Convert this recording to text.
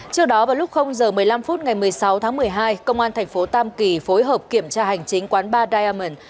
trước đó vào lúc giờ một mươi năm phút ngày một mươi sáu tháng một mươi hai công an thành phố tam kỳ phối hợp kiểm tra hành chính quán ba diamon